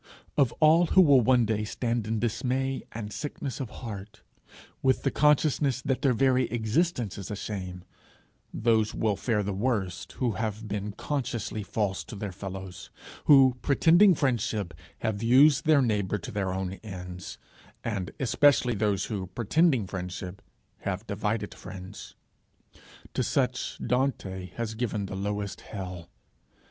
Of all who will one day stand in dismay and sickness of heart, with the consciousness that their very existence is a shame, those will fare the worst who have been consciously false to their fellows; who, pretending friendship, have used their neighbour to their own ends; and especially those who, pretending friendship, have divided friends. To such Dante has given the lowest hell.